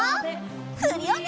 クリオネ！